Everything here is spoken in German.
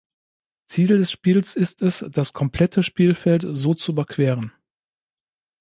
Ziel des Spiels ist es, das komplette Spielfeld so zu überqueren.